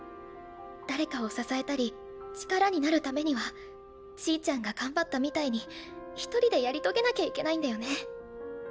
誰かを支えたり力になるためにはちぃちゃんが頑張ったみたいに一人でやり遂げなきゃいけないんだよね。